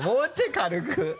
軽く？